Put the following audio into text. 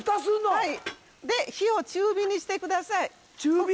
はいで火を中火にしてください中火？